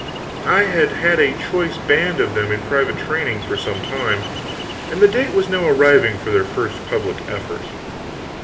I had had a choice band of them in private training for some time, and the date was now arriving for their first public effort.